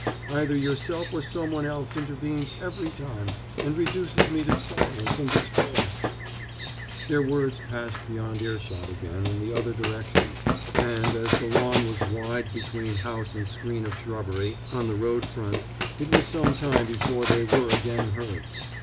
Either yourself or someone else intervenes every time, and reduces me to silence and despair " Their words passed beyond earshot again in the other direction; and, as the lawn was wide between house and screen of shrubbery on the road front, it was some time before they were again heard.